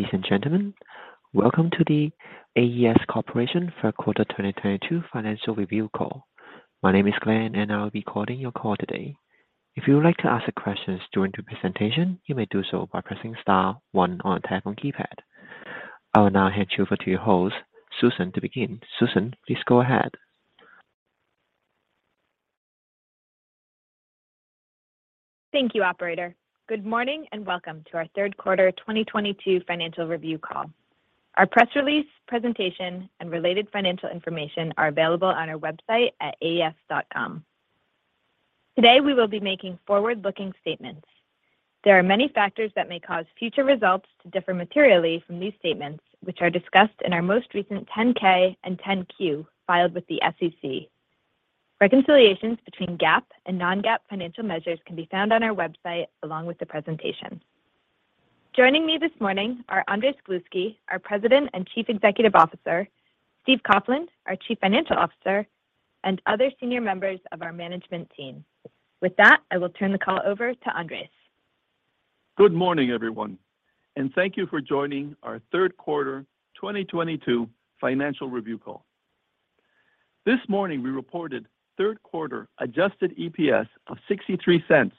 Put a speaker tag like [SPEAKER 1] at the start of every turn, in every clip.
[SPEAKER 1] Ladies and gentlemen, welcome to The AES Corporation third quarter 2022 financial review call. My name is Glenn and I will be recording your call today. If you would like to ask questions during the presentation, you may do so by pressing star one on your telephone keypad. I will now hand you over to your host, Susan, to begin. Susan, please go ahead.
[SPEAKER 2] Thank you, operator. Good morning and welcome to our third quarter 2022 financial review call. Our press release presentation and related financial information are available on our website at aes.com. Today we will be making forward-looking statements. There are many factors that may cause future results to differ materially from these statements, which are discussed in our most recent 10-K and 10-Q filed with the SEC. Reconciliations between GAAP and non-GAAP financial measures can be found on our website along with the presentation. Joining me this morning are Andrés Gluski, our President and Chief Executive Officer, Stephen Coughlin, our Chief Financial Officer, and other senior members of our management team. With that, I will turn the call over to Andrés.
[SPEAKER 3] Good morning, everyone, and thank you for joining our third quarter 2022 financial review call. This morning we reported third quarter adjusted EPS of $0.63,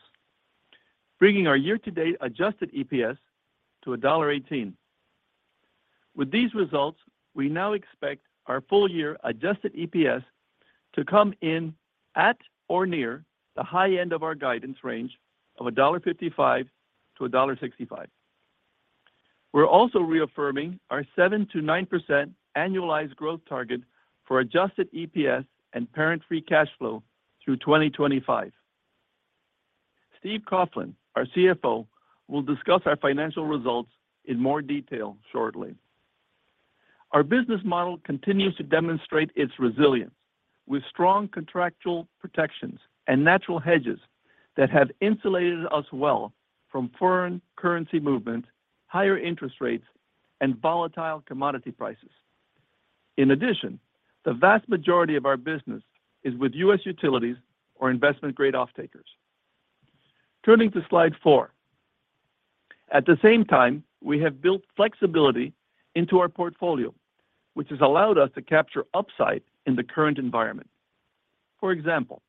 [SPEAKER 3] bringing our year-to-date adjusted EPS to $1.18. With these results, we now expect our full year adjusted EPS to come in at or near the high end of our guidance range of $1.55-$1.65. We're also reaffirming our 7%-9% annualized growth target for adjusted EPS and parent free cash flow through 2025. Stephen Coughlin, our CFO, will discuss our financial results in more detail shortly. Our business model continues to demonstrate its resilience with strong contractual protections and natural hedges that have insulated us well from foreign currency movement, higher interest rates, and volatile commodity prices. In addition, the vast majority of our business is with U.S. utilities or investment-grade off-takers. Turning to Slide four. At the same time, we have built flexibility into our portfolio, which has allowed us to capture upside in the current environment. For example,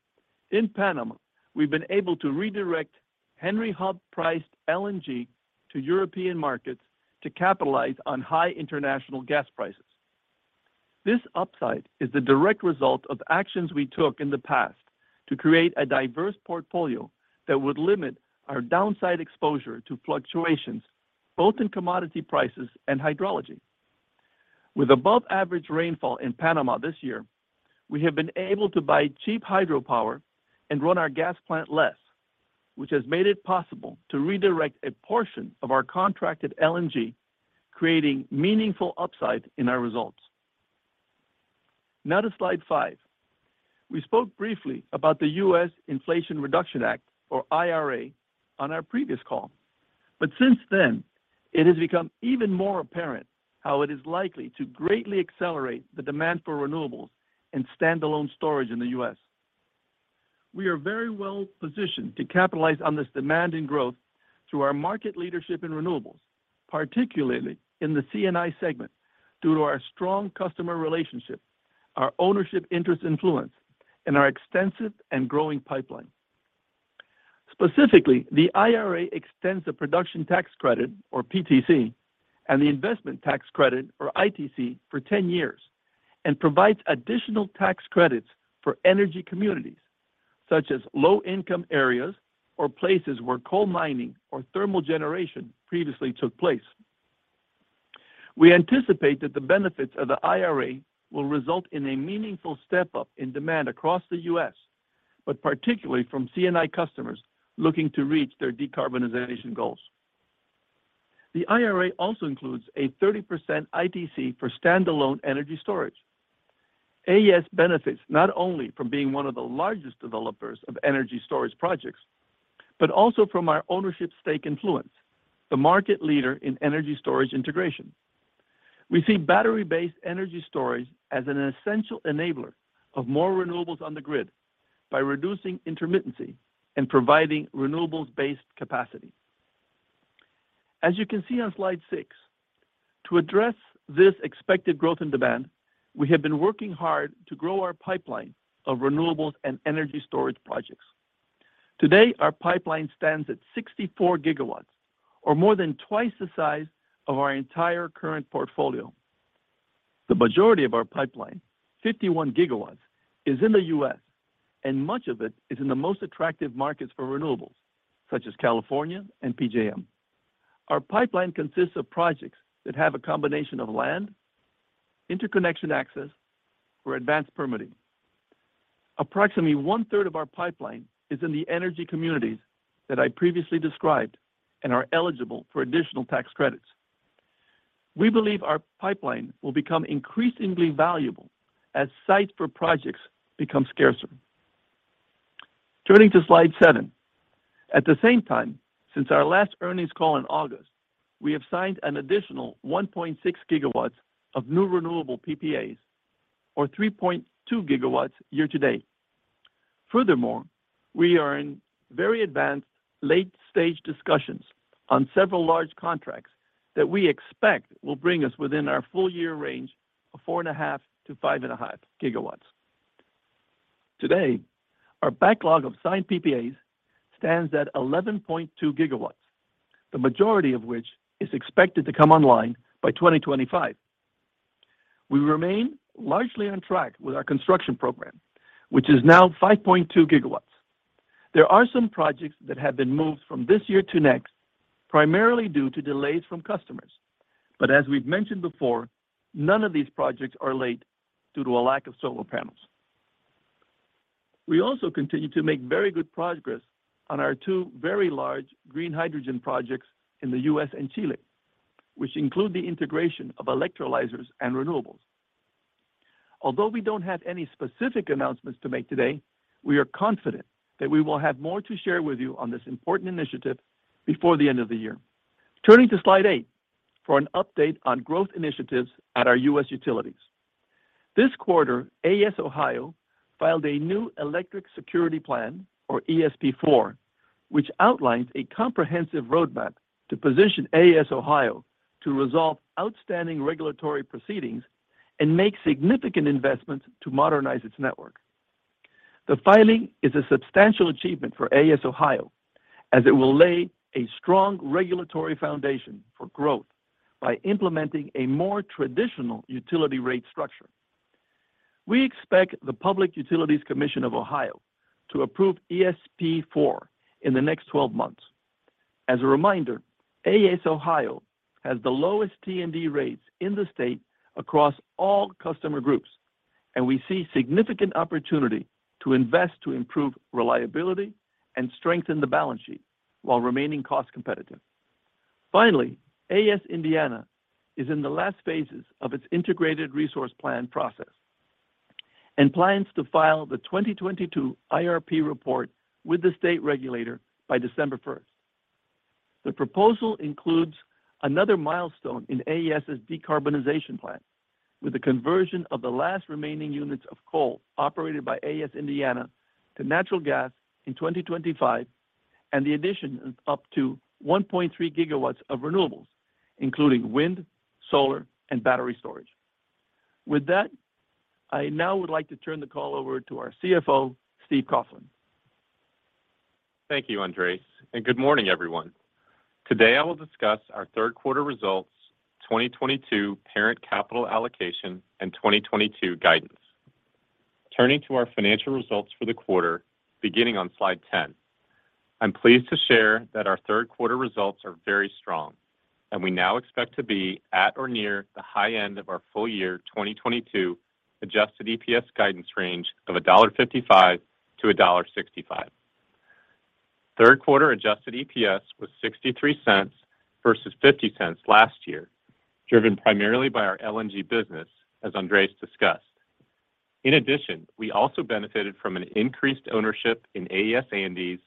[SPEAKER 3] in Panama, we've been able to redirect Henry Hub-priced LNG to European markets to capitalize on high international gas prices. This upside is the direct result of actions we took in the past to create a diverse portfolio that would limit our downside exposure to fluctuations, both in commodity prices and hydrology. With above average rainfall in Panama this year, we have been able to buy cheap hydropower and run our gas plant less, which has made it possible to redirect a portion of our contracted LNG, creating meaningful upside in our results. Now to Slide five. We spoke briefly about the U.S. Inflation Reduction Act or IRA on our previous call. Since then, it has become even more apparent how it is likely to greatly accelerate the demand for renewables and standalone storage in the U.S. We are very well positioned to capitalize on this demand and growth through our market leadership in renewables, particularly in the C&I segment, due to our strong customer relationships, our ownership interest influence, and our extensive and growing pipeline. Specifically, the IRA extends the production tax credit or PTC and the investment tax credit or ITC for 10 years and provides additional tax credits for energy communities such as low income areas or places where coal mining or thermal generation previously took place. We anticipate that the benefits of the IRA will result in a meaningful step up in demand across the U.S., but particularly from C&I customers looking to reach their decarbonization goals. The IRA also includes a 30% ITC for standalone energy storage. AES benefits not only from being one of the largest developers of energy storage projects, but also from our ownership stake in Fluence, the market leader in energy storage integration. We see battery-based energy storage as an essential enabler of more renewables on the grid by reducing intermittency and providing renewables-based capacity. As you can see on slide six, to address this expected growth in demand, we have been working hard to grow our pipeline of renewables and energy storage projects. Today, our pipeline stands at 64 GW or more than twice the size of our entire current portfolio. The majority of our pipeline, 51 GW, is in the U.S., and much of it is in the most attractive markets for renewables, such as California and PJM. Our pipeline consists of projects that have a combination of land, interconnection access or advanced permitting. Approximately one-third of our pipeline is in the energy communities that I previously described and are eligible for additional tax credits. We believe our pipeline will become increasingly valuable as sites for projects become scarcer. Turning to slide seven. At the same time, since our last earnings call in August, we have signed an additional 1.6 GW of new renewable PPAs or 3.2 GW year to date. Furthermore, we are in very advanced late-stage discussions on several large contracts that we expect will bring us within our full year range of 4.5 GW-5.5 GW. Today, our backlog of signed PPAs stands at 11.2 GW, the majority of which is expected to come online by 2025. We remain largely on track with our construction program, which is now 5.2 GW. There are some projects that have been moved from this year to next, primarily due to delays from customers. As we've mentioned before, none of these projects are late due to a lack of solar panels. We also continue to make very good progress on our two very large green hydrogen projects in the U.S. and Chile, which include the integration of electrolyzers and renewables. Although we don't have any specific announcements to make today, we are confident that we will have more to share with you on this important initiative before the end of the year. Turning to slide eight for an update on growth initiatives at our U.S. utilities. This quarter, AES Ohio filed a new Electric Security Plan or ESP‑4, which outlines a comprehensive roadmap to position AES Ohio to resolve outstanding regulatory proceedings and make significant investments to modernize its network. The filing is a substantial achievement for AES Ohio as it will lay a strong regulatory foundation for growth by implementing a more traditional utility rate structure. We expect the Public Utilities Commission of Ohio to approve ESP‑4 in the next 12 months. As a reminder, AES Ohio has the lowest T&D rates in the state across all customer groups, and we see significant opportunity to invest to improve reliability and strengthen the balance sheet while remaining cost-competitive. Finally, AES Indiana is in the last phases of its integrated resource plan process and plans to file the 2022 IRP report with the state regulator by December 1st. The proposal includes another milestone in AES's decarbonization plan, with the conversion of the last remaining units of coal operated by AES Indiana to natural gas in 2025, and the addition of up to 1.3 GW of renewables, including wind, solar, and battery storage. With that, I now would like to turn the call over to our CFO, Steve Coughlin.
[SPEAKER 4] Thank you, Andrés, and good morning, everyone. Today, I will discuss our third quarter results, 2022 parent capital allocation, and 2022 guidance. Turning to our financial results for the quarter, beginning on slide 10. I'm pleased to share that our third quarter results are very strong, and we now expect to be at or near the high end of our full-year 2022 adjusted EPS guidance range of $1.55-$1.65. Third quarter adjusted EPS was $0.63 versus $0.50 last year, driven primarily by our LNG business, as Andrés discussed. In addition, we also benefited from an increased ownership in AES Andes,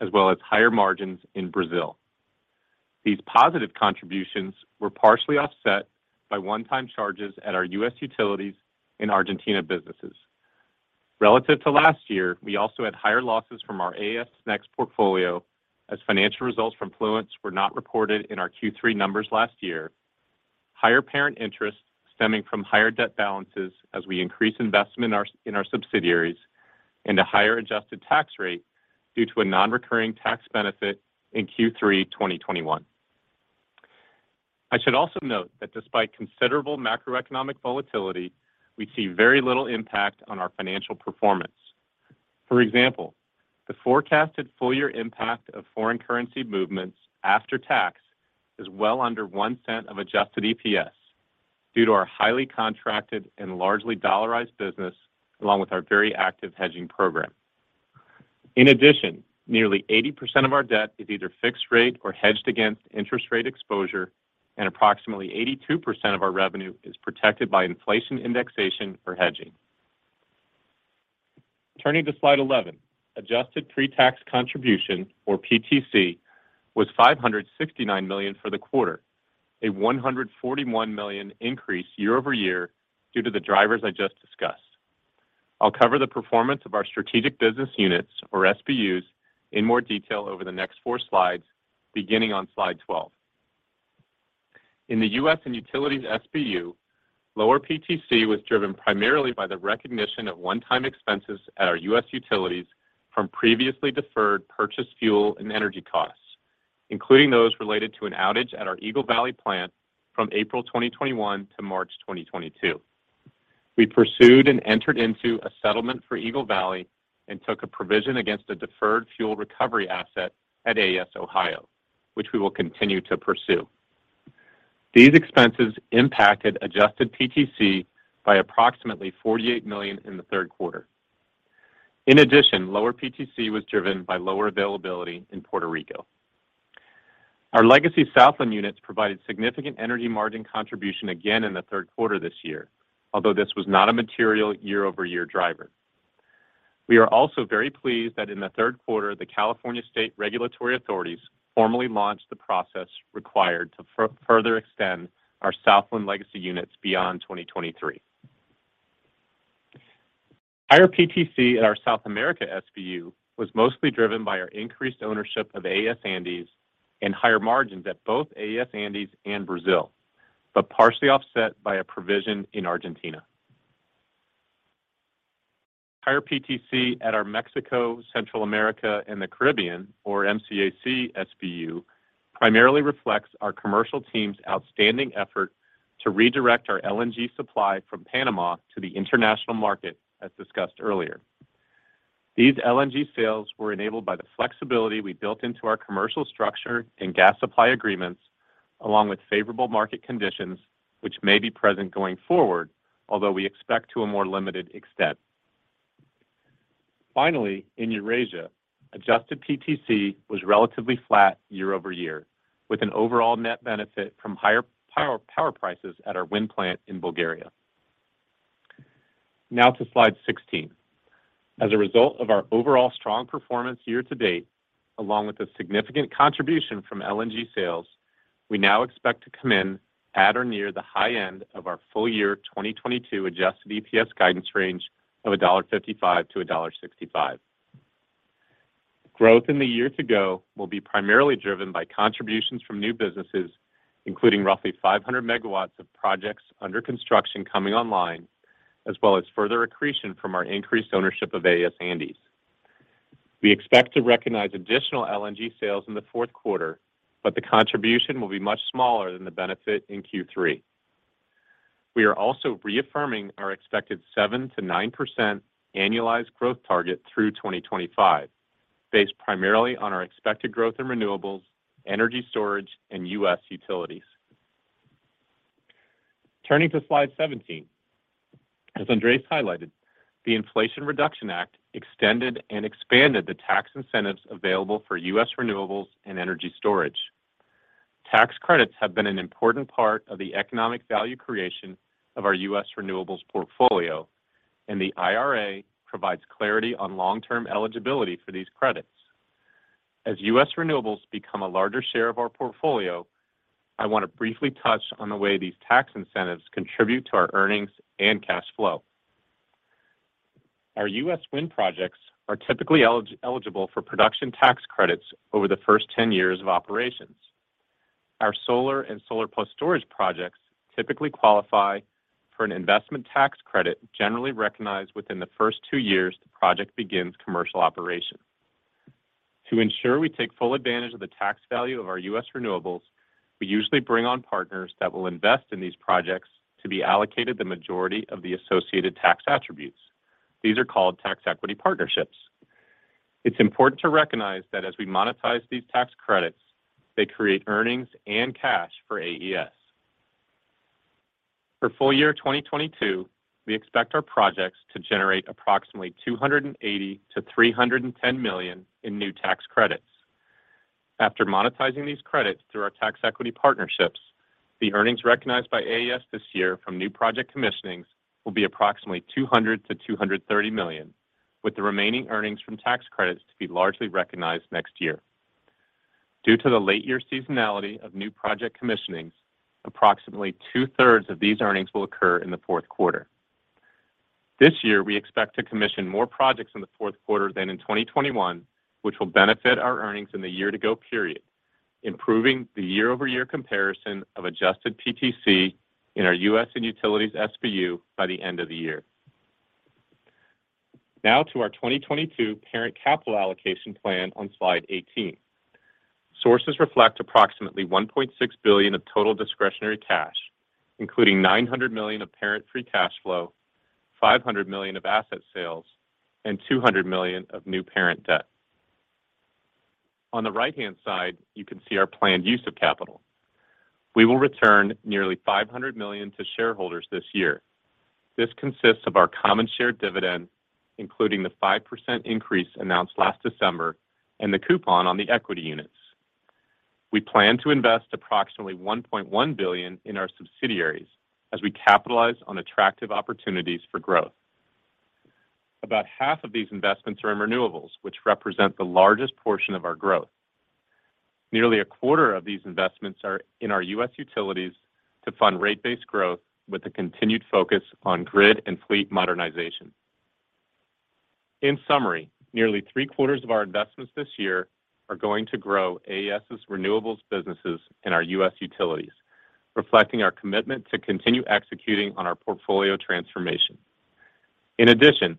[SPEAKER 4] as well as higher margins in Brazil. These positive contributions were partially offset by one-time charges at our U.S. utilities and in Argentina businesses. Relative to last year, we also had higher losses from our AES Next portfolio as financial results from Fluence were not reported in our Q3 numbers last year. Higher parent interest stemming from higher debt balances as we increase investment in our subsidiaries, and a higher adjusted tax rate due to a non-recurring tax benefit in Q3 2021. I should also note that despite considerable macroeconomic volatility, we see very little impact on our financial performance. For example, the forecasted full-year impact of foreign currency movements after tax is well under $0.01 of Adjusted EPS due to our highly contracted and largely dollarized business, along with our very active hedging program. In addition, nearly 80% of our debt is either fixed rate or hedged against interest rate exposure, and approximately 82% of our revenue is protected by inflation indexation or hedging. Turning to slide 11. Adjusted pre-tax contribution or PTC was $569 million for the quarter, a $141 million increase year-over-year due to the drivers I just discussed. I'll cover the performance of our strategic business units or SBUs in more detail over the next 4 slides, beginning on slide 12. In the U.S. and Utilities SBU, lower PTC was driven primarily by the recognition of one-time expenses at our U.S. utilities from previously deferred purchased fuel and energy costs, including those related to an outage at our Eagle Valley plant from April 2021 to March 2022. We pursued and entered into a settlement for Eagle Valley and took a provision against a deferred fuel recovery asset at AES Ohio, which we will continue to pursue. These expenses impacted adjusted PTC by approximately $48 million in the third quarter. In addition, lower PTC was driven by lower availability in Puerto Rico. Our legacy Southland units provided significant energy margin contribution again in the third quarter this year. Although this was not a material year-over-year driver. We are also very pleased that in the third quarter, the California State regulatory authorities formally launched the process required to further extend our Southland legacy units beyond 2023. Higher PTC at our South America SBU was mostly driven by our increased ownership of AES Andes and higher margins at both AES Andes and Brazil, but partially offset by a provision in Argentina. Higher PTC at our Mexico, Central America, and the Caribbean, or MCAC SBU, primarily reflects our commercial team's outstanding effort to redirect our LNG supply from Panama to the international market, as discussed earlier. These LNG sales were enabled by the flexibility we built into our commercial structure and gas supply agreements, along with favorable market conditions which may be present going forward, although we expect a more limited extent. Finally, in Eurasia, adjusted PTC was relatively flat year-over-year, with an overall net benefit from higher power prices at our wind plant in Bulgaria. Now to slide 16. As a result of our overall strong performance year to date, along with a significant contribution from LNG sales, we now expect to come in at or near the high end of our full-year 2022 adjusted EPS guidance range of $1.55-$1.65. Growth in the year to go will be primarily driven by contributions from new businesses, including roughly 500 MW of projects under construction coming online, as well as further accretion from our increased ownership of AES Andes. We expect to recognize additional LNG sales in the fourth quarter, but the contribution will be much smaller than the benefit in Q3. We are also reaffirming our expected 7%-9% annualized growth target through 2025, based primarily on our expected growth in renewables, energy storage and U.S. utilities. Turning to slide 17. Andrés highlighted, the Inflation Reduction Act extended and expanded the tax incentives available for U.S. renewables and energy storage. Tax credits have been an important part of the economic value creation of our U.S. renewables portfolio, and the IRA provides clarity on long-term eligibility for these credits. As U.S. renewables become a larger share of our portfolio, I wanna briefly touch on the way these tax incentives contribute to our earnings and cash flow. Our U.S. wind projects are typically eligible for production tax credits over the first 10 years of operations. Our solar and solar plus storage projects typically qualify for an investment tax credit, generally recognized within the first two years the project begins commercial operation. To ensure we take full advantage of the tax value of our U.S. renewables, we usually bring on partners that will invest in these projects to be allocated the majority of the associated tax attributes. These are called tax equity partnerships. It's important to recognize that as we monetize these tax credits, they create earnings and cash for AES. For full year 2022, we expect our projects to generate approximately $280 million-$310 million in new tax credits. After monetizing these credits through our tax equity partnerships, the earnings recognized by AES this year from new project commissioning will be approximately $200 million-$230 million, with the remaining earnings from tax credits to be largely recognized next year. Due to the late year seasonality of new project commissioning, approximately two-thirds of these earnings will occur in the fourth quarter. This year, we expect to commission more projects in the fourth quarter than in 2021, which will benefit our earnings in the year to go period, improving the year-over-year comparison of Adjusted PTC in our US and utilities SBU by the end of the year. Now to our 2022 parent capital allocation plan on slide 18. Sources reflect approximately $1.6 billion of total discretionary cash, including $900 million of parent free cash flow, $500 million of asset sales, and $200 million of new parent debt. On the right-hand side, you can see our planned use of capital. We will return nearly $500 million to shareholders this year. This consists of our common share dividend, including the 5% increase announced last December and the coupon on the equity units. We plan to invest approximately $1.1 billion in our subsidiaries as we capitalize on attractive opportunities for growth. About half of these investments are in renewables, which represent the largest portion of our growth. Nearly a quarter of these investments are in our U.S. utilities to fund rate-based growth with a continued focus on grid and fleet modernization. In summary, nearly three-quarters of our investments this year are going to grow AES's renewables businesses in our U.S. utilities, reflecting our commitment to continue executing on our portfolio transformation. In addition,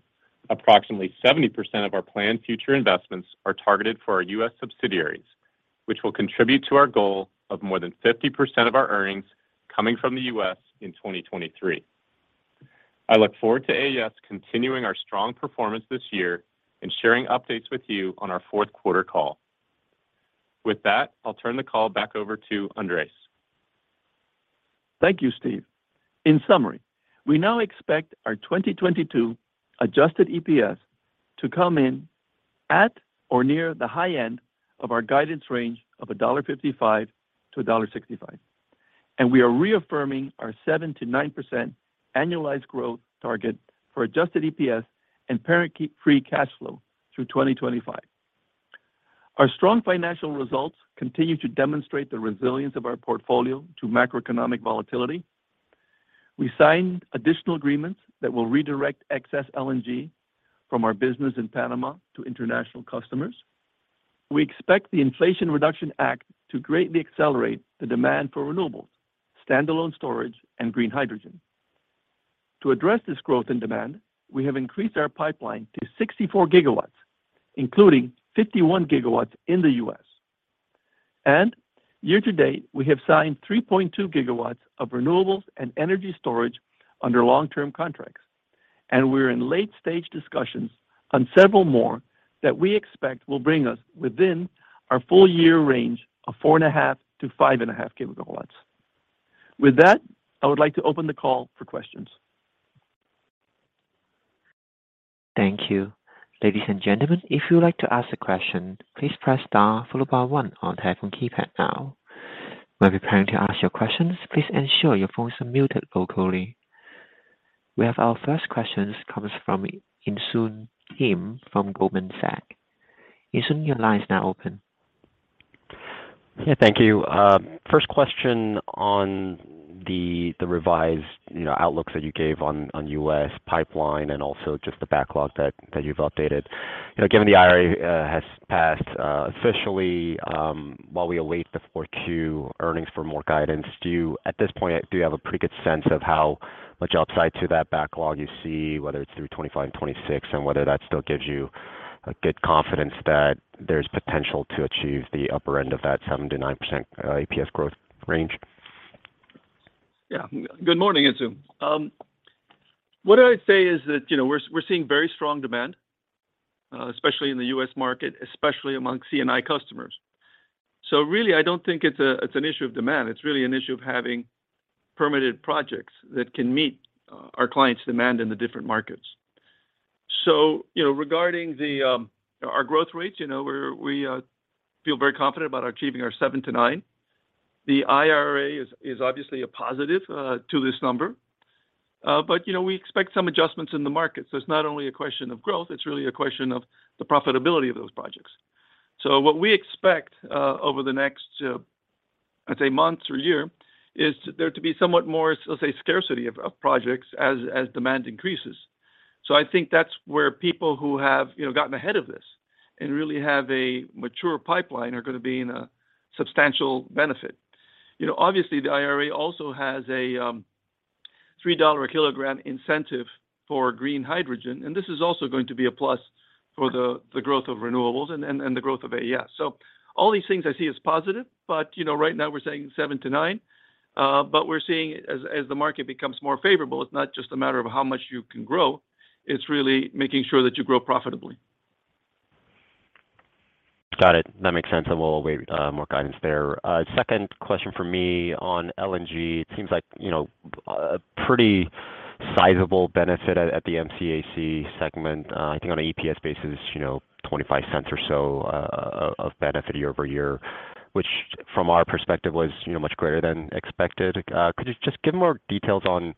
[SPEAKER 4] approximately 70% of our planned future investments are targeted for our U.S. subsidiaries, which will contribute to our goal of more than 50% of our earnings coming from the U.S. in 2023. I look forward to AES continuing our strong performance this year and sharing updates with you on our fourth quarter call. With that, I'll turn the call back over to Andrés.
[SPEAKER 3] Thank you, Steve. In summary, we now expect our 2022 adjusted EPS to come in at or near the high end of our guidance range of $1.55-$1.65, and we are reaffirming our 7%-9% annualized growth target for adjusted EPS and parent free cash flow through 2025. Our strong financial results continue to demonstrate the resilience of our portfolio to macroeconomic volatility. We signed additional agreements that will redirect excess LNG from our business in Panama to international customers. We expect the Inflation Reduction Act to greatly accelerate the demand for renewables, stand-alone storage, and green hydrogen. To address this growth in demand, we have increased our pipeline to 64 GW, including 51 GW in the US. Year to date, we have signed 3.2 GW of renewables and energy storage under long-term contracts, and we're in late stage discussions on several more that we expect will bring us within our full year range of 4.5 GW-5.5 GW. With that, I would like to open the call for questions.
[SPEAKER 1] Thank you. Ladies and gentlemen, if you would like to ask a question, please press star followed by one on the telephone keypad now. While preparing to ask your questions, please ensure your phones are muted locally. We have our first question comes from Insoo Kim from Goldman Sachs. Insoo, your line is now open.
[SPEAKER 5] Yeah, thank you. First question on the revised outlooks that you gave on U.S. pipeline and also just the backlog that you've updated. You know, given the IRA has passed officially, while we await the Q2 earnings for more guidance, do you at this point have a pretty good sense of how much upside to that backlog you see, whether it's through 2025, 2026, and whether that still gives you a good confidence that there's potential to achieve the upper end of that 7%-9% APS growth range?
[SPEAKER 3] Yeah. Good morning, Insoo. What I'd say is that, you know, we're seeing very strong demand, especially in the U.S. market, especially among C&I customers. Really, I don't think it's an issue of demand. It's really an issue of having permitted projects that can meet our clients' demand in the different markets. You know, regarding our growth rates, you know, we feel very confident about achieving our 7%-9%. The IRA is obviously a positive to this number. But, you know, we expect some adjustments in the market. It's not only a question of growth, it's really a question of the profitability of those projects. What we expect over the next I'd say months or year is there to be somewhat more let's say scarcity of projects as demand increases. I think that's where people who have you know gotten ahead of this and really have a mature pipeline are gonna be in a substantial benefit. You know, obviously, the IRA also has a $3 a kilogram incentive for green hydrogen, and this is also going to be a plus for the growth of renewables and the growth of AES. All these things I see as positive. You know, right now we're saying 7%-9% but we're seeing as the market becomes more favorable, it's not just a matter of how much you can grow, it's really making sure that you grow profitably.
[SPEAKER 5] Got it. That makes sense, and we'll await more guidance there. Second question from me on LNG. It seems like, you know, a pretty sizable benefit at the MCAC segment. I think on an EPS basis, you know, $0.25 or so of benefit year-over-year, which from our perspective was, you know, much greater than expected. Could you just give more details on,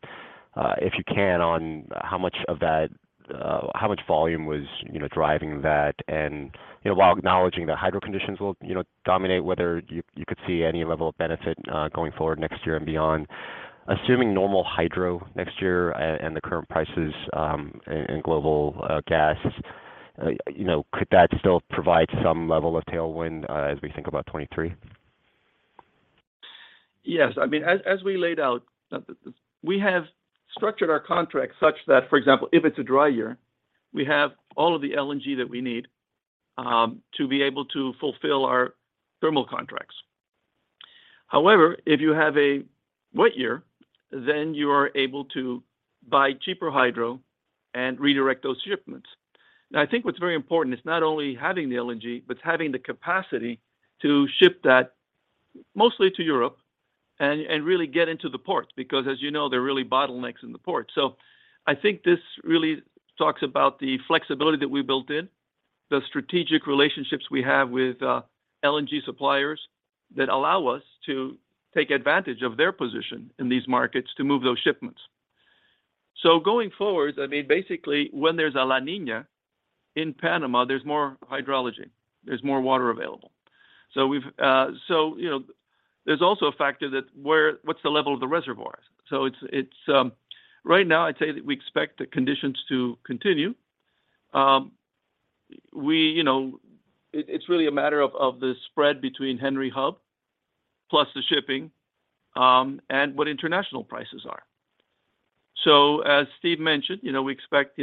[SPEAKER 5] if you can, on how much of that, how much volume was, you know, driving that? And, you know, while acknowledging that hydro conditions will, you know, dominate whether you could see any level of benefit going forward next year and beyond. Assuming normal hydro next year and the current prices in global gas, you know, could that still provide some level of tailwind as we think about 2023?
[SPEAKER 3] Yes. I mean, as we laid out, we have structured our contracts such that, for example, if it's a dry year, we have all of the LNG that we need to be able to fulfill our thermal contracts. However, if you have a wet year, then you are able to buy cheaper hydro and redirect those shipments. Now, I think what's very important is not only having the LNG, but having the capacity to ship that mostly to Europe and really get into the ports, because as you know, there are really bottlenecks in the ports. So I think this really talks about the flexibility that we built in, the strategic relationships we have with LNG suppliers that allow us to take advantage of their position in these markets to move those shipments. Going forward, I mean, basically when there's a La Niña in Panama, there's more hydrology. There's more water available. There's also a factor. What's the level of the reservoirs? It's right now, I'd say that we expect the conditions to continue. It's really a matter of the spread between Henry Hub plus the shipping and what international prices are. As Steve mentioned, we expect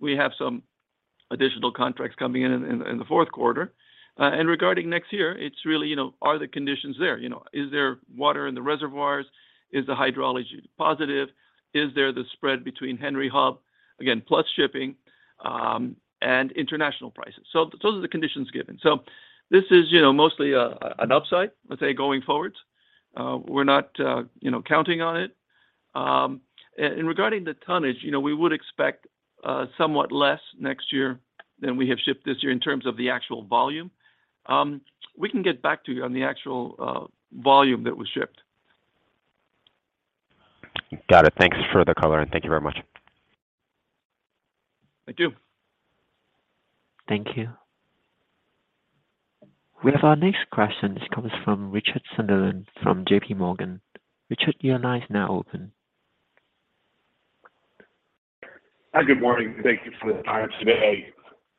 [SPEAKER 3] we have some additional contracts coming in in the fourth quarter. And regarding next year, it's really are the conditions there? Is there water in the reservoirs? Is the hydrology positive? Is there the spread between Henry Hub, again, plus shipping and international prices? Those are the conditions given. This is, you know, mostly an upside, let's say, going forward. We're not, you know, counting on it. Regarding the tonnage, you know, we would expect somewhat less next year than we have shipped this year in terms of the actual volume. We can get back to you on the actual volume that was shipped.
[SPEAKER 5] Got it. Thanks for the color and thank you very much.
[SPEAKER 3] Thank you.
[SPEAKER 1] Thank you. We have our next question. This comes from Richard Sunderland from JPMorgan. Richard, your line is now open.
[SPEAKER 6] Hi, good morning. Thank you for the time today.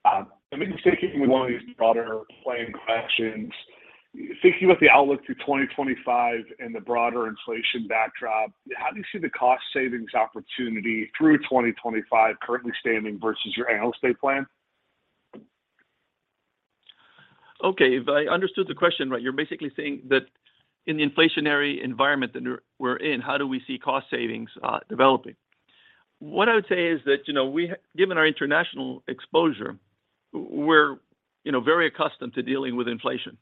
[SPEAKER 6] I mean, sticking with one of these broader plan questions, thinking about the outlook through 2025 and the broader inflation backdrop, how do you see the cost savings opportunity through 2025 currently standing versus your annual state plan?
[SPEAKER 3] Okay. If I understood the question right, you're basically saying that in the inflationary environment that we're in, how do we see cost savings developing? What I would say is that, you know, we given our international exposure, we're, you know, very accustomed to dealing with inflation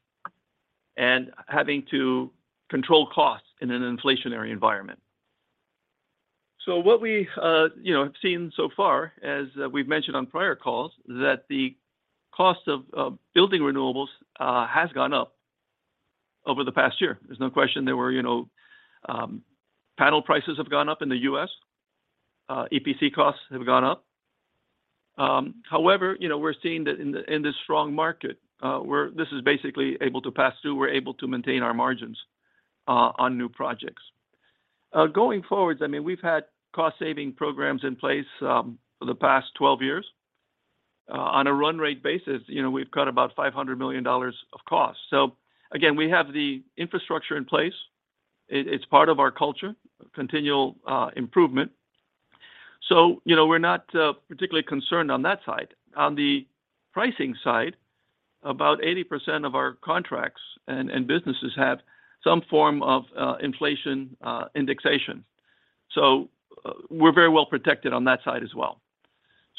[SPEAKER 3] and having to control costs in an inflationary environment. What we have seen so far, as we've mentioned on prior calls, is that the cost of building renewables has gone up over the past year. There's no question. Panel prices have gone up in the U.S., EPC costs have gone up. However, you know, we're seeing that in this strong market, this is basically able to pass through. We're able to maintain our margins on new projects. Going forward, I mean, we've had cost saving programs in place for the past 12 years. On a run rate basis, you know, we've cut about $500 million of costs. Again, we have the infrastructure in place. It's part of our culture, continual improvement. You know, we're not particularly concerned on that side. On the pricing side, about 80% of our contracts and businesses have some form of inflation indexation. We're very well protected on that side as well.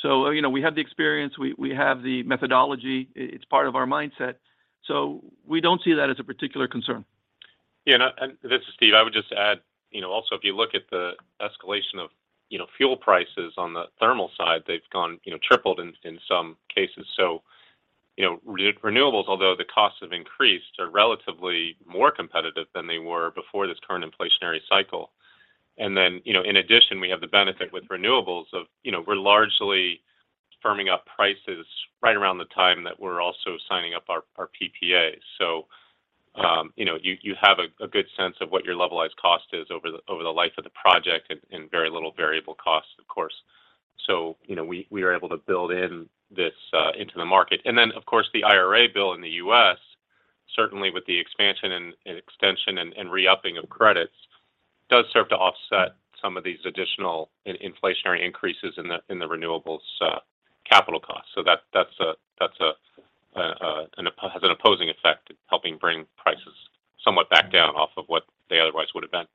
[SPEAKER 3] You know, we have the experience, we have the methodology. It's part of our mindset. We don't see that as a particular concern.
[SPEAKER 4] Yeah. This is Steve. I would just add, you know, also, if you look at the escalation of, you know, fuel prices on the thermal side, they've gone, you know, tripled in some cases. Renewables, although the costs have increased, are relatively more competitive than they were before this current inflationary cycle. In addition, we have the benefit with renewables of, you know, we're largely firming up prices right around the time that we're also signing up our PPAs. You have a good sense of what your levelized cost is over the life of the project and very little variable costs, of course. We are able to build in this into the market. Of course, the IRA bill in the U.S., certainly with the expansion and extension and re-upping of credits, does serve to offset some of these additional inflationary increases in the renewables capital costs. That has an opposing effect, helping bring prices somewhat back down off of what they otherwise would have been.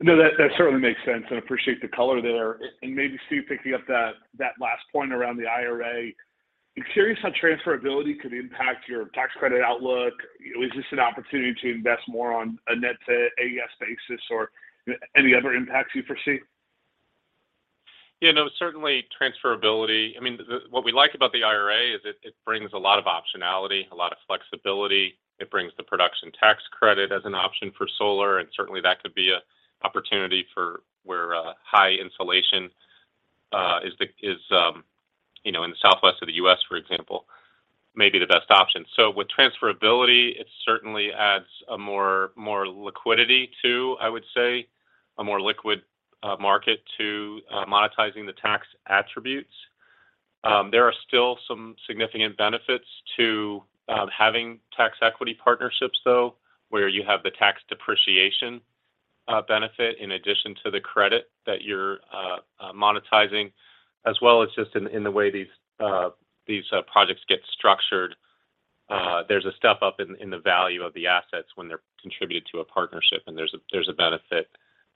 [SPEAKER 6] No, that certainly makes sense, and appreciate the color there. Maybe, Steve, picking up that last point around the IRA. I'm curious how transferability could impact your tax credit outlook. Is this an opportunity to invest more on a net to AES basis or any other impacts you foresee?
[SPEAKER 4] Yeah, no, certainly transferability. I mean, what we like about the IRA is it brings a lot of optionality, a lot of flexibility. It brings the production tax credit as an option for solar, and certainly that could be an opportunity for where high insulation is, you know, in the southwest of the U.S., for example, may be the best option. So with transferability, it certainly adds more liquidity to, I would say, a more liquid market to monetizing the tax attributes. There are still some significant benefits to having tax equity partnerships, though, where you have the tax depreciation benefit in addition to the credit that you're monetizing, as well as just in the way these projects get structured. There's a step up in the value of the assets when they're contributed to a partnership, and there's a benefit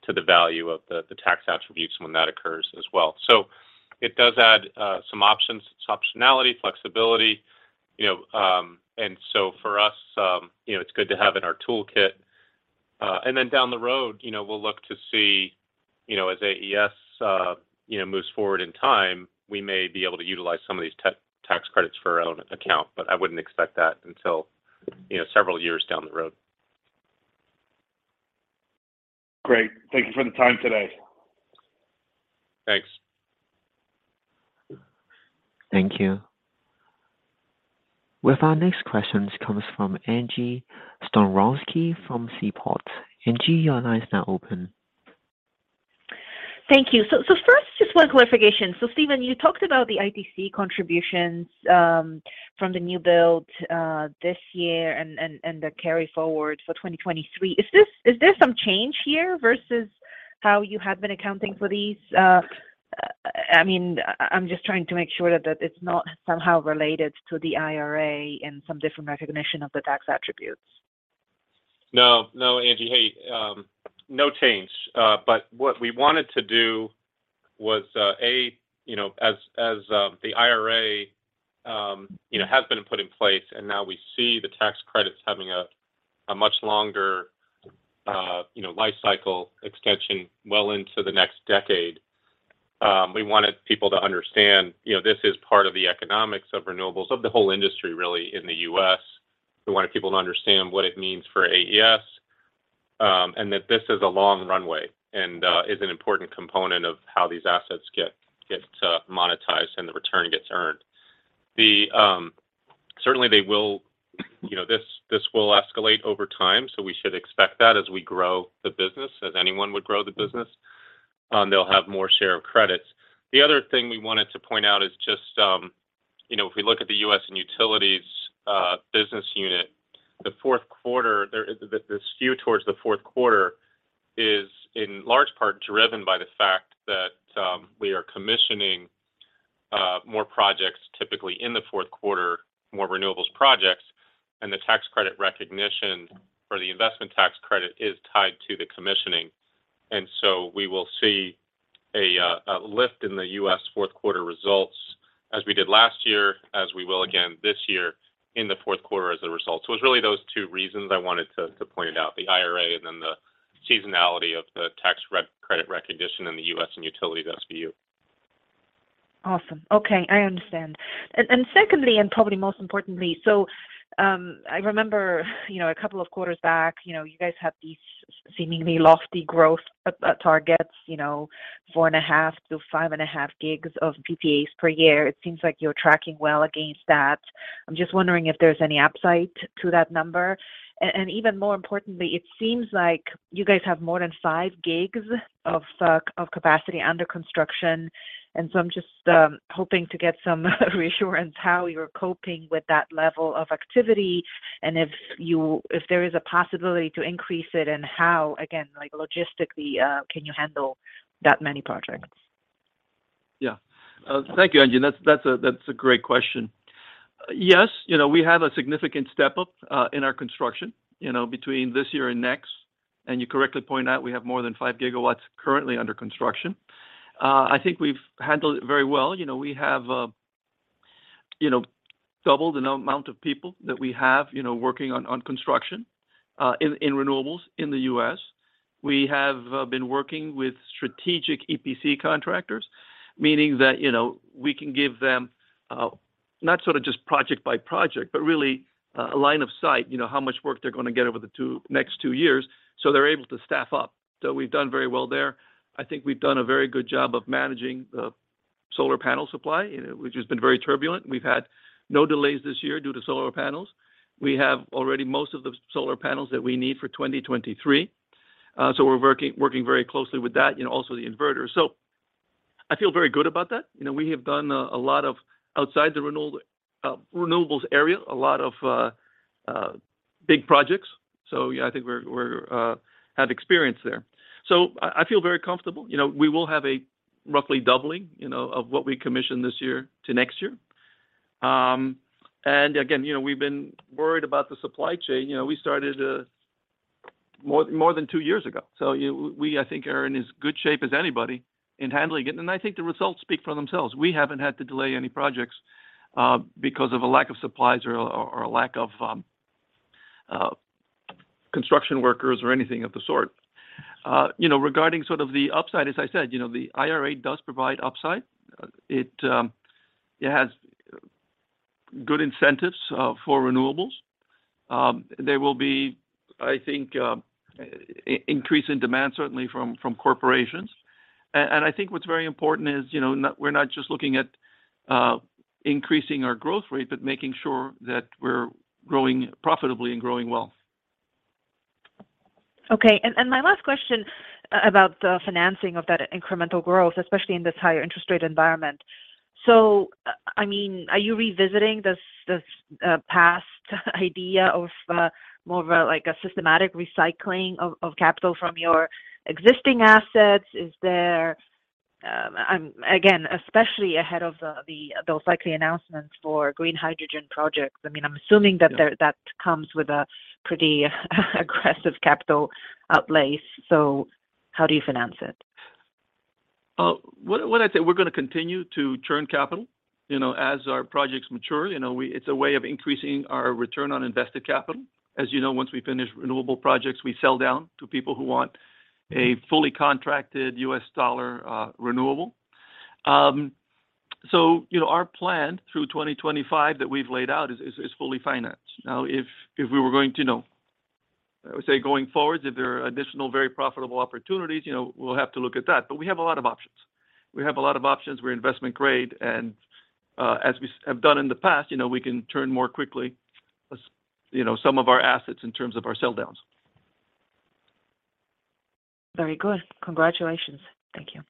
[SPEAKER 4] to the value of the tax attributes when that occurs as well. It does add some options, optionality, flexibility, you know. For us, you know, it's good to have in our toolkit. Down the road, you know, we'll look to see, you know, as AES, you know, moves forward in time, we may be able to utilize some of these tax credits for our own account. I wouldn't expect that until, you know, several years down the road.
[SPEAKER 6] Great. Thank you for the time today.
[SPEAKER 3] Thanks.
[SPEAKER 1] Thank you. With our next question, this comes from Angie Storozynski from Seaport. Angie, your line is now open.
[SPEAKER 7] Thank you. First, just one clarification. Stephen, you talked about the ITC contributions from the new build this year and the carry forward for 2023. Is there some change here versus how you have been accounting for these? I mean, I'm just trying to make sure that it's not somehow related to the IRA and some different recognition of the tax attributes.
[SPEAKER 4] No, Angie. Hey, no change. What we wanted to do was, you know, as the IRA, you know, has been put in place and now we see the tax credits having a much longer, you know, life cycle extension well into the next decade. We wanted people to understand, you know, this is part of the economics of renewables, of the whole industry really in the U.S. We wanted people to understand what it means for AES, and that this is a long runway and is an important component of how these assets get monetized and the return gets earned. Certainly they will, you know, this will escalate over time, so we should expect that as we grow the business, as anyone would grow the business, they'll have more share of credits. The other thing we wanted to point out is just, you know, if we look at the U.S. and Utilities business unit, the fourth quarter there, the skew towards the fourth quarter is in large part driven by the fact that we are commissioning more projects typically in the fourth quarter, more renewables projects, and the tax credit recognition for the investment tax credit is tied to the commissioning. We will see a lift in the U.S. fourth quarter results as we did last year, as we will again this year in the fourth quarter as a result. It's really those two reasons I wanted to point out, the IRA and then the seasonality of the tax credit recognition in the U.S. and Utilities SBU.
[SPEAKER 7] Awesome. Okay. I understand. Secondly, and probably most importantly, I remember, you know, a couple of quarters back, you know, you guys had these seemingly lofty growth targets, you know, 4.5 GW-5.5 GW of PPAs per year. It seems like you're tracking well against that. I'm just wondering if there's any upside to that number. Even more importantly, it seems like you guys have more than 5 GW of capacity under construction, and so I'm just hoping to get some reassurance how you're coping with that level of activity and if there is a possibility to increase it and how, again, like, logistically, can you handle that many projects?
[SPEAKER 3] Yeah. Thank you, Angie. That's a great question. Yes, you know, we have a significant step up in our construction, you know, between this year and next. You correctly point out we have more than 5 GW currently under construction. I think we've handled it very well. You know, we have, you know, doubled the amount of people that we have, you know, working on construction in renewables in the U.S. We have been working with strategic EPC contractors, meaning that, you know, we can give them not sort of just project by project, but really a line of sight, you know, how much work they're gonna get over the next two years, so they're able to staff up. We've done very well there. I think we've done a very good job of managing the solar panel supply, you know, which has been very turbulent. We've had no delays this year due to solar panels. We have already most of the solar panels that we need for 2023. So we're working very closely with that, you know, also the inverters. So I feel very good about that. You know, we have done a lot outside the renewables area, a lot of big projects. So yeah, I think we have experience there. So I feel very comfortable. You know, we will have a roughly doubling, you know, of what we commission this year to next year. Again, you know, we've been worried about the supply chain. You know, we started more than two years ago. We, I think, are in as good shape as anybody in handling it. I think the results speak for themselves. We haven't had to delay any projects because of a lack of supplies or a lack of construction workers or anything of the sort. You know, regarding sort of the upside, as I said, you know, the IRA does provide upside. It has good incentives for renewables. There will be, I think, an increase in demand certainly from corporations. I think what's very important is, you know, we're not just looking at increasing our growth rate, but making sure that we're growing profitably and growing well.
[SPEAKER 7] Okay. My last question about the financing of that incremental growth, especially in this higher interest rate environment. I mean, are you revisiting this past idea of more of a like a systematic recycling of capital from your existing assets? Is there. Again, especially ahead of those likely announcements for green hydrogen projects. I mean, I'm assuming that there.
[SPEAKER 3] Yeah.
[SPEAKER 7] That comes with a pretty aggressive capital outlay. How do you finance it?
[SPEAKER 3] What I'd say, we're gonna continue to churn capital, you know, as our projects mature. You know, It's a way of increasing our return on invested capital. As you know, once we finish renewable projects, we sell down to people who want a fully contracted U.S. dollar, renewable. So, you know, our plan through 2025 that we've laid out is fully financed. Now, I would say going forward, if there are additional very profitable opportunities, you know, we'll have to look at that. But we have a lot of options. We have a lot of options. We're investment grade. As we have done in the past, you know, we can turn more quickly, you know, some of our assets in terms of our sell downs.
[SPEAKER 7] Very good. Congratulations. Thank you.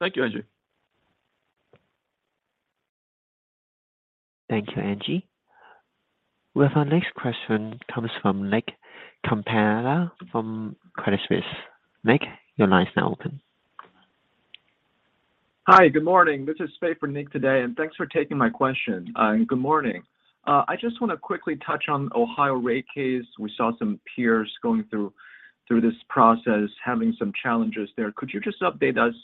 [SPEAKER 3] Thank you, Angie.
[SPEAKER 1] Thank you, Angie. Well, our next question comes from Nicholas Campanella from Credit Suisse. Nick, your line is now open.
[SPEAKER 8] Hi, good morning. This is Fay for Nick today, and thanks for taking my question. Good morning. I just wanna quickly touch on Ohio rate case. We saw some peers going through this process, having some challenges there. Could you just update us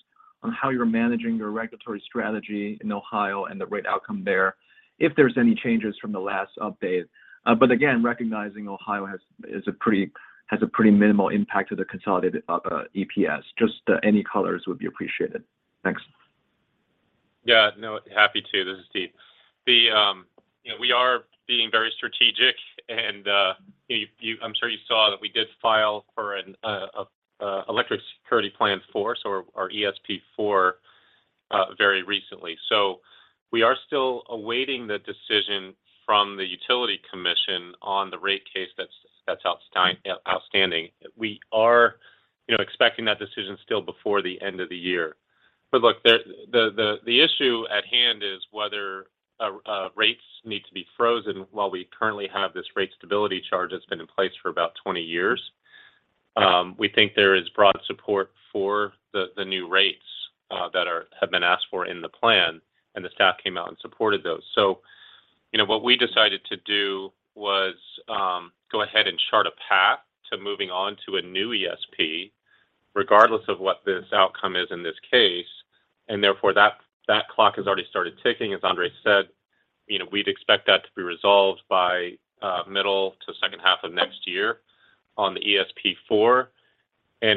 [SPEAKER 8] on how you're managing your regulatory strategy in Ohio and the rate outcome there, if there's any changes from the last update? Again, recognizing Ohio has a pretty minimal impact to the consolidated EPS. Just, any colors would be appreciated. Thanks.
[SPEAKER 4] Yeah, no, happy to. This is Steve. You know, we are being very strategic, and I'm sure you saw that we did file for an Electric Security Plan Four, so our ESP‑4 very recently. We are still awaiting the decision from the utility commission on the rate case that's outstanding. We are expecting that decision still before the end of the year. Look, the issue at hand is whether rates need to be frozen while we currently have this rate stability charge that's been in place for about 20 years. We think there is broad support for the new rates that have been asked for in the plan, and the staff came out and supported those. You know, what we decided to do was go ahead and chart a path to moving on to a new ESP, regardless of what this outcome is in this case, and therefore that clock has already started ticking. As Andrés said, you know, we'd expect that to be resolved by middle to second half of next year on the ESP‑4.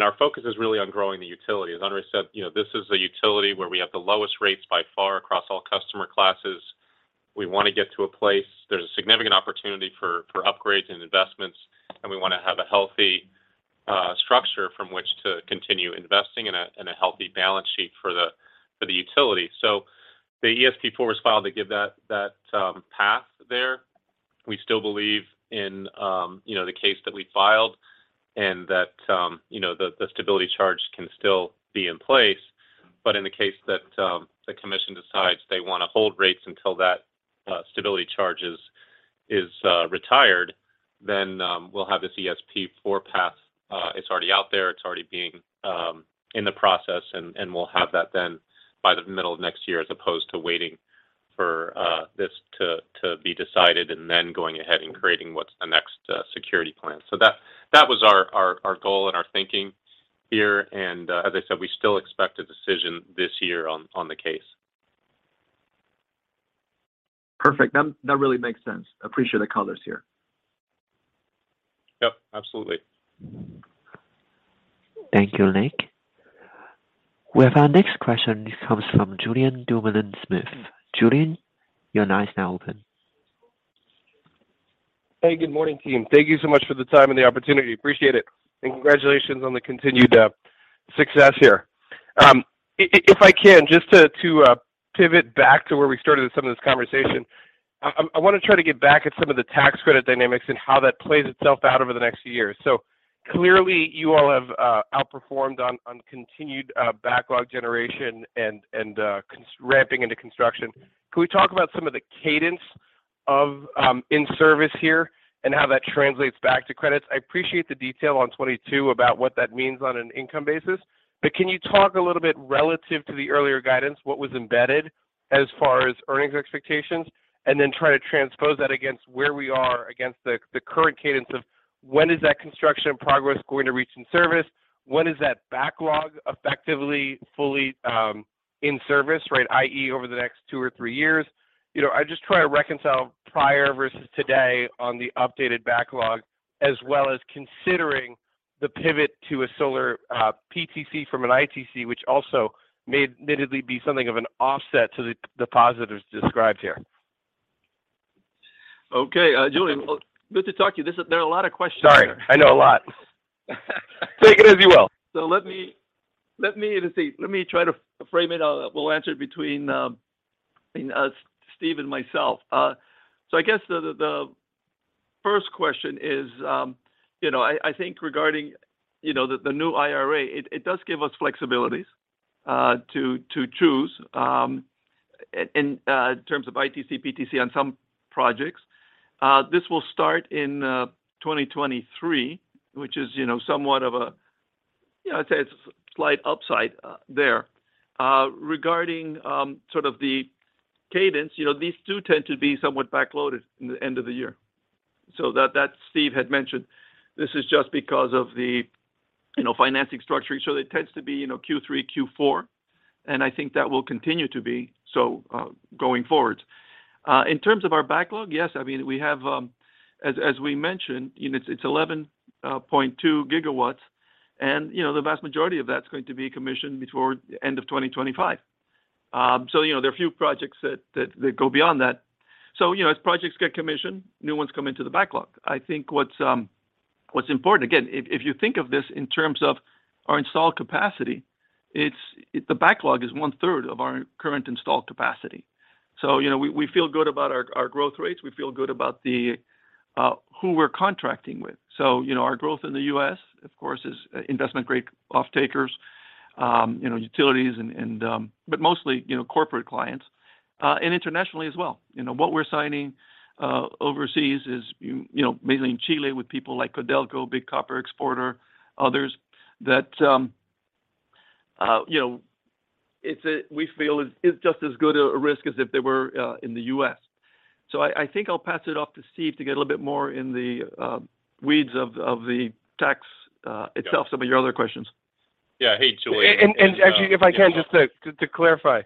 [SPEAKER 4] Our focus is really on growing the utility. As Andrés said, you know, this is a utility where we have the lowest rates by far across all customer classes. We want to get to a place there's a significant opportunity for upgrades and investments, and we wanna have a healthy structure from which to continue investing and a healthy balance sheet for the utility. The ESP‑4 was filed to give that path there. We still believe in, you know, the case that we filed and that, you know, the stability charge can still be in place. In the case that the commission decides they wanna hold rates until that stability charge is retired, then we'll have the ESP‑4 path. It's already out there. It's already being in the process, and we'll have that then by the middle of next year as opposed to waiting for this to be decided and then going ahead and creating what's the next security plan. That was our goal and our thinking here. As I said, we still expect a decision this year on the case.
[SPEAKER 8] Perfect. That really makes sense. Appreciate the colors here.
[SPEAKER 4] Yep, absolutely.
[SPEAKER 1] Thank you, Nick. With our next question, this comes from Julien Dumoulin-Smith. Julien, your line is now open.
[SPEAKER 9] Hey, good morning, team. Thank you so much for the time and the opportunity. Appreciate it, and congratulations on the continued success here. If I can, just to pivot back to where we started some of this conversation, I wanna try to get back to some of the tax credit dynamics and how that plays itself out over the next few years. Clearly, you all have outperformed on continued backlog generation and ramping into construction. Can we talk about some of the cadence of in-service here and how that translates back to credits? I appreciate the detail on 2022 about what that means on an income basis. Can you talk a little bit relative to the earlier guidance, what was embedded as far as earnings expectations, and then try to transpose that against where we are against the current cadence of when is that construction progress going to reach in service? When is that backlog effectively fully in service, right? i.e., over the next two or three years. You know, I just try to reconcile prior versus today on the updated backlog, as well as considering the pivot to a solar PTC from an ITC, which also may admittedly be something of an offset to the positives described here.
[SPEAKER 3] Okay, Julien. Good to talk to you. There are a lot of questions there.
[SPEAKER 9] Sorry. I know a lot. Take it as you will.
[SPEAKER 3] Let me try to frame it. We'll answer between us, Steve and myself. I guess the first question is, you know, I think regarding, you know, the new IRA, it does give us flexibilities to choose in terms of ITC, PTC on some projects. This will start in 2023, which is, you know, somewhat of a, you know, I'd say it's slight upside there. Regarding sort of the cadence, you know, these two tend to be somewhat backloaded in the end of the year. That Steve had mentioned, this is just because of the, you know, financing structure. It tends to be, you know, Q3, Q4, and I think that will continue to be so going forward. In terms of our backlog, yes, I mean, we have, as we mentioned, you know, it's 11.2 gw, and, you know, the vast majority of that's going to be commissioned before end of 2025. There are a few projects that go beyond that. As projects get commissioned, new ones come into the backlog. I think what's important, again, if you think of this in terms of our installed capacity, it's the backlog is one-third of our current installed capacity. We feel good about our growth rates. We feel good about who we're contracting with. You know, our growth in the U.S., of course, is investment-grade offtakers, you know, utilities and but mostly, you know, corporate clients, and internationally as well. You know, what we're signing overseas is, you know, mainly in Chile with people like Codelco, big copper exporter, others that you know we feel is just as good a risk as if they were in the U.S. I think I'll pass it off to Steve to get a little bit more in the weeds of the tax equity itself, some of your other questions.
[SPEAKER 4] Yeah. Hey, Julien.
[SPEAKER 9] Actually, if I can, just to clarify,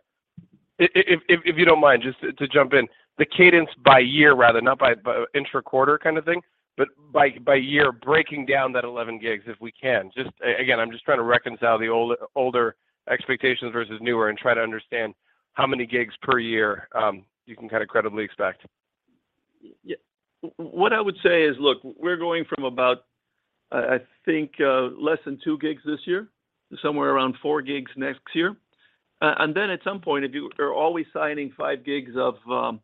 [SPEAKER 9] if you don't mind, just to jump in. The cadence by year rather, not by intra-quarter kind of thing, but by year, breaking down that 11 GW if we can. Just again, I'm just trying to reconcile the older expectations versus newer and try to understand how many gigs per year you can kinda credibly expect.
[SPEAKER 3] Yeah. What I would say is, look, we're going from about, I think, less than 2 GW this year to somewhere around 4 GW next year. At some point, if you are always signing 5 GW of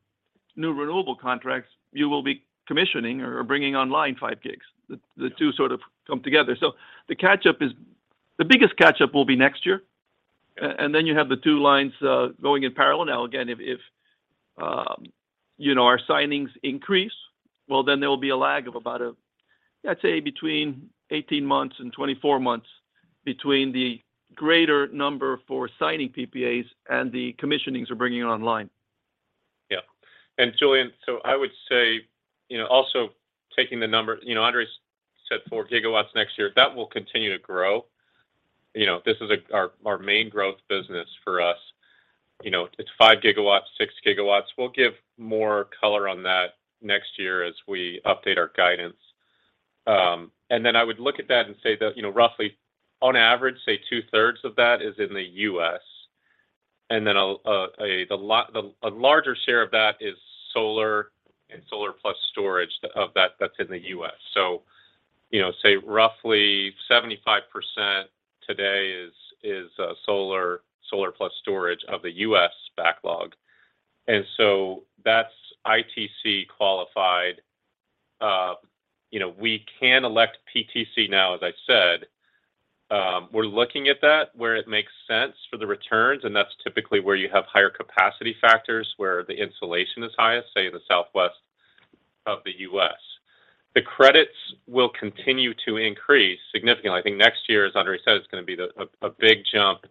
[SPEAKER 3] new renewable contracts, you will be commissioning or bringing online 5 GW. The two sort of come together. The catch-up is. The biggest catch-up will be next year. You have the two lines going in parallel. Now, again, if you know, our signings increase, well, then there will be a lag of about, let's say between 18 months and 24 months between the greater number for signing PPAs and the commissioning we're bringing online.
[SPEAKER 4] Yeah. Julien, I would say, you know, also taking the number. You know, Andrés said 4 GW next year. That will continue to grow. You know, this is our main growth business for us. You know, it's 5 GW, 6 GW. We'll give more color on that next year as we update our guidance. I would look at that and say that, you know, roughly on average, say 2/3 of that is in the U.S. A larger share of that is solar and solar-plus-storage of that's in the U.S. You know, say roughly 75% today is solar-plus-storage of the U.S. backlog. That's ITC qualified. You know, we can elect PTC now, as I said. We're looking at that where it makes sense for the returns, and that's typically where you have higher capacity factors, where the insolation is highest, say the Southwest of the U.S. The credits will continue to increase significantly. I think next year, as Andrés said, it's gonna be a big jump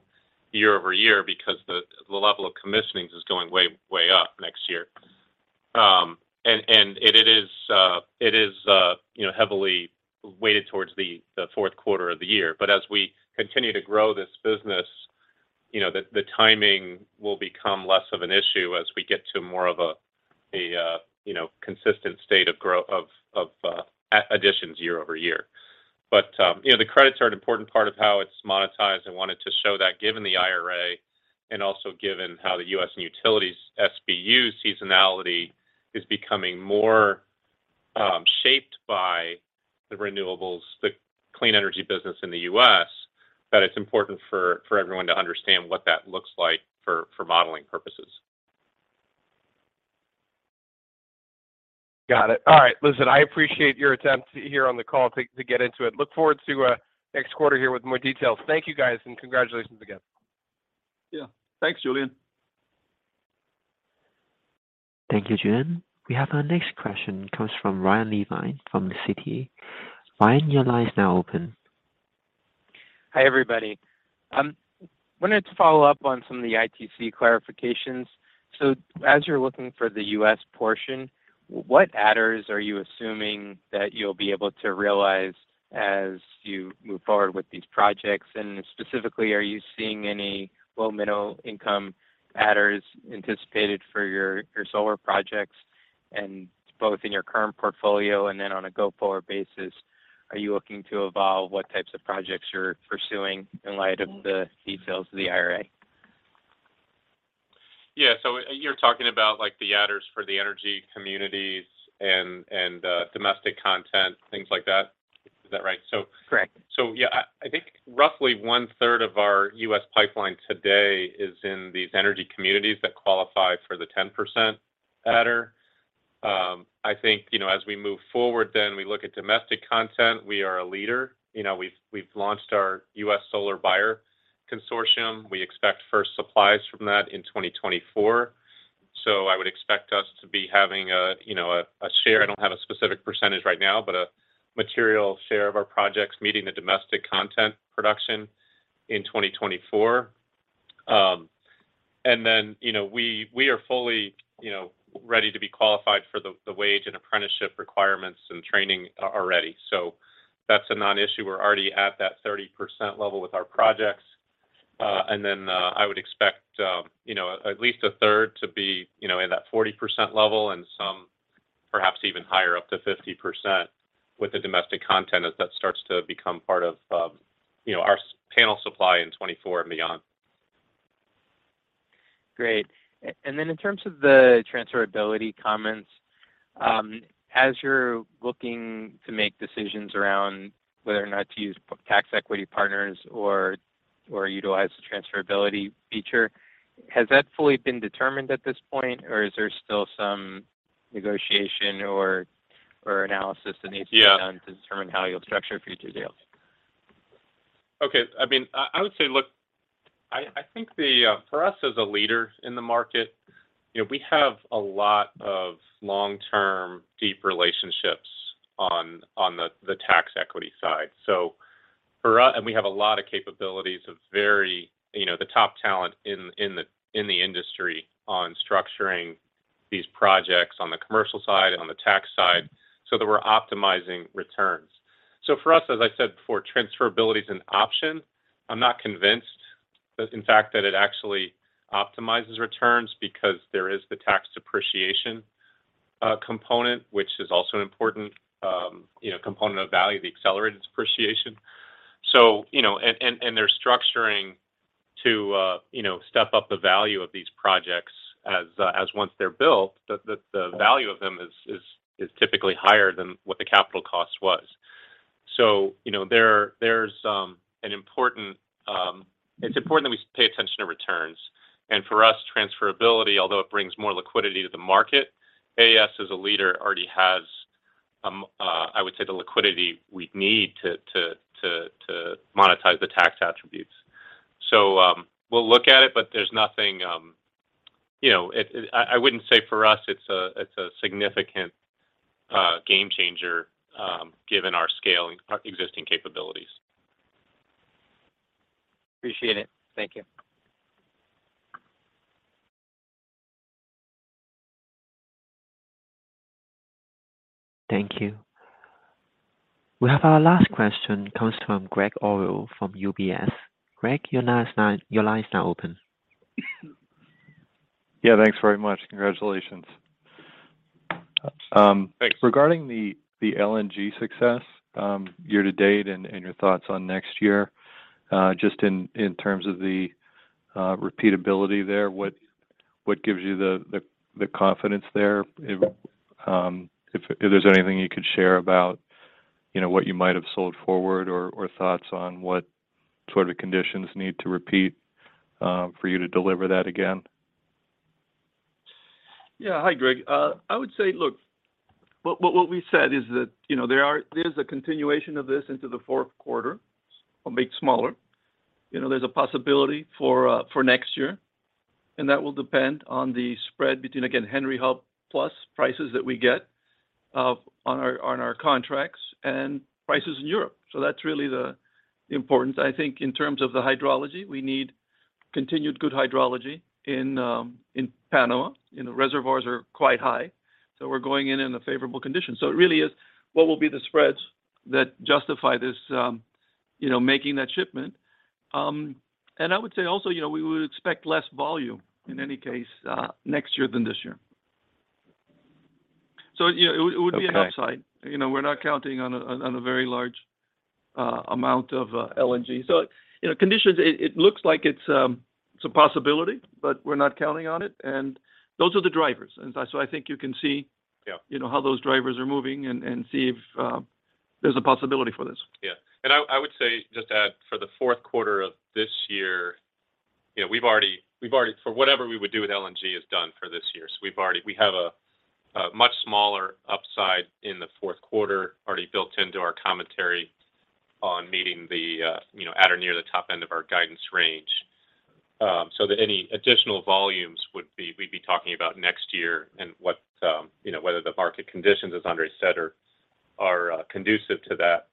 [SPEAKER 4] year-over-year because the level of commissioning is going way up next year. It is, you know, heavily weighted towards the fourth quarter of the year. As we continue to grow this business, you know, the timing will become less of an issue as we get to more of a, you know, consistent state of additions year-over-year. You know, the credits are an important part of how it's monetized. I wanted to show that given the IRA and also given how the U.S. and utilities SBU seasonality is becoming more shaped by the renewables, the clean energy business in the U.S., that it's important for everyone to understand what that looks like for modeling purposes.
[SPEAKER 9] Got it. All right. Listen, I appreciate your attempts here on the call to get into it. Look forward to next quarter here with more details. Thank you, guys, and congratulations again.
[SPEAKER 3] Yeah. Thanks, Julien.
[SPEAKER 1] Thank you, Julien. We have our next question. Comes from Ryan Levine from Citi. Ryan, your line is now open.
[SPEAKER 10] Hi, everybody. Wanted to follow up on some of the ITC clarifications. As you're looking for the U.S. portion, what adders are you assuming that you'll be able to realize as you move forward with these projects? Specifically, are you seeing any low/middle-income adders anticipated for your solar projects? Both in your current portfolio and then on a go-forward basis, are you looking to evolve what types of projects you're pursuing in light of the details of the IRA?
[SPEAKER 4] Yeah. You're talking about, like, the adders for the energy communities and domestic content, things like that. Is that right?
[SPEAKER 10] Correct.
[SPEAKER 4] Yeah, I think roughly 1/3 of our U.S. pipeline today is in these energy communities that qualify for the 10% adder. I think, you know, as we move forward, we look at domestic content. We are a leader. You know, we've launched our U.S. Solar Buyer Consortium. We expect first supplies from that in 2024. I would expect us to be having a, you know, share. I don't have a specific percentage right now, but a material share of our projects meeting the domestic content production in 2024. You know, we are fully, you know, ready to be qualified for the wage and apprenticeship requirements and training already. That's a non-issue. We're already at that 30% level with our projects. I would expect, you know, at least a third to be, you know, in that 40% level and some perhaps even higher, up to 50% with the domestic content as that starts to become part of, you know, our solar panel supply in 2024 and beyond.
[SPEAKER 10] Great. In terms of the transferability comments, as you're looking to make decisions around whether or not to use tax equity partners or utilize the transferability feature, has that fully been determined at this point, or is there still some negotiation or analysis that needs to be done?
[SPEAKER 4] Yeah
[SPEAKER 10] To determine how you'll structure future deals?
[SPEAKER 4] Okay. I mean, I would say, look, I think for us as a leader in the market, you know, we have a lot of long-term deep relationships on the tax equity side. So for us. We have a lot of capabilities of very, you know, the top talent in the industry on structuring these projects on the commercial side and on the tax side so that we're optimizing returns. So for us, as I said before, transferability is an option. I'm not convinced that in fact it actually optimizes returns because there is the tax depreciation component, which is also an important you know component of value, the accelerated depreciation. You know, they're structuring to step up the value of these projects as once they're built, the value of them is typically higher than what the capital cost was. You know, there's an important. It's important that we pay attention to returns. For us, transferability, although it brings more liquidity to the market, AES as a leader already has, I would say the liquidity we'd need to monetize the tax attributes. We'll look at it, but there's nothing. I wouldn't say for us it's a significant game changer, given our scale and our existing capabilities.
[SPEAKER 10] Appreciate it. Thank you.
[SPEAKER 1] Thank you. We have our last question comes from Gregg Orrill from UBS. Greg, your line is now open.
[SPEAKER 11] Yeah, thanks very much. Congratulations.
[SPEAKER 4] Thanks.
[SPEAKER 11] Regarding the LNG success, year to date and your thoughts on next year, just in terms of the repeatability there, what gives you the confidence there? If there's anything you could share about, you know, what you might have sold forward or thoughts on what sort of conditions need to repeat, for you to deliver that again.
[SPEAKER 3] Yeah. Hi, Gregg. I would say, look, what we said is that, you know, there's a continuation of this into the fourth quarter, albeit smaller. You know, there's a possibility for next year, and that will depend on the spread between, again, Henry Hub plus prices that we get on our contracts and prices in Europe. That's really the importance. I think in terms of the hydrology, we need continued good hydrology in Panama. You know, reservoirs are quite high, so we're going in a favorable condition. It really is what will be the spreads that justify this, you know, making that shipment. I would say also, you know, we would expect less volume in any case next year than this year. You know, it would be an upside.
[SPEAKER 11] Okay.
[SPEAKER 3] You know, we're not counting on a very large amount of LNG. You know, conditions, it looks like it's a possibility, but we're not counting on it, and those are the drivers. I think you can see.
[SPEAKER 11] Yeah
[SPEAKER 3] You know, how those drivers are moving and see if there's a possibility for this.
[SPEAKER 4] Yeah. I would say, just to add, for the fourth quarter of this year, you know, we've already for whatever we would do with LNG is done for this year. We have a much smaller upside in the fourth quarter already built into our commentary on meeting, at or near, the top end of our guidance range. So that any additional volumes we'd be talking about next year and what, you know, whether the market conditions, as Andrés said, are conducive to that.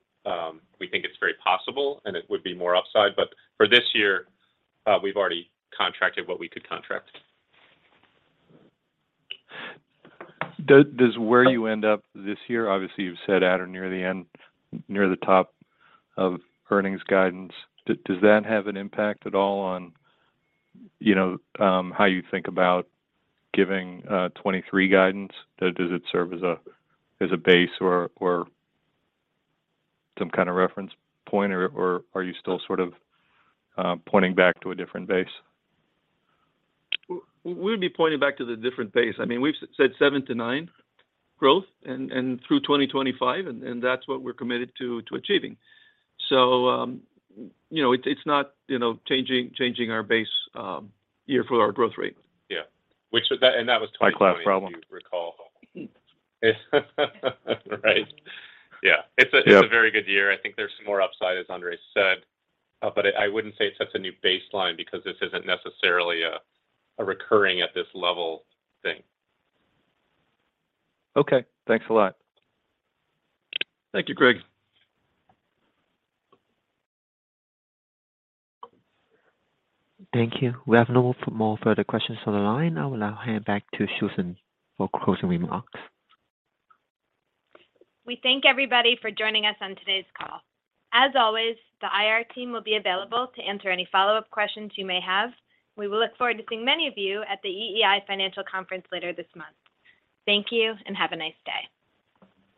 [SPEAKER 4] We think it's very possible, and it would be more upside. For this year, we've already contracted what we could contract.
[SPEAKER 11] Does where you end up this year, obviously you've said at or near the upper end of earnings guidance, have an impact at all on, you know, how you think about giving 2023 guidance? Does it serve as a base or some kind of reference point, or are you still sort of pointing back to a different base?
[SPEAKER 3] We'll be pointing back to the different base. I mean, we've said 7%-9% growth and through 2025 and that's what we're committed to achieving. You know, it's not, you know, changing our base year for our growth rate.
[SPEAKER 4] Yeah. That was 2020.
[SPEAKER 11] I have a problem.
[SPEAKER 4] If you recall. Right. Yeah.
[SPEAKER 11] Yeah.
[SPEAKER 4] It's a very good year. I think there's some more upside, as Andrés said. I wouldn't say it sets a new baseline because this isn't necessarily a recurring at this level thing.
[SPEAKER 11] Okay. Thanks a lot.
[SPEAKER 3] Thank you, Gregg.
[SPEAKER 1] Thank you. We have no more further questions on the line. I will now hand back to Susan for closing remarks.
[SPEAKER 2] We thank everybody for joining us on today's call. As always, the IR team will be available to answer any follow-up questions you may have. We will look forward to seeing many of you at the EEI Financial Conference later this month. Thank you, and have a nice day.